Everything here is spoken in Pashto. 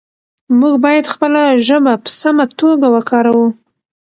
موږ باید خپله ژبه په سمه توګه وکاروو